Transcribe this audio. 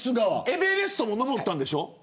エベレストも登ったんでしょ。